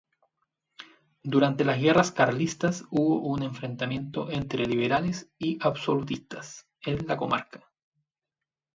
Durante las guerras carlistas hubo un enfrentamiento entre liberales y absolutistas en la comarca.